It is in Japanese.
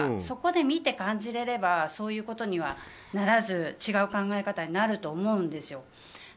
そこで見て感じられればそういうことにはならず違う考え方になると思うんですよ。